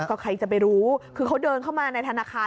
ก็ใครจะไปรู้คือเขาเดินเข้ามาในธนาคาร